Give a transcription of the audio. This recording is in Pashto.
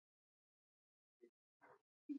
افغانستان د یاقوت په اړه علمي څېړنې لري.